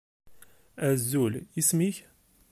Azul, isem-ik?